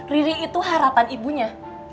riri itu harapan ibunya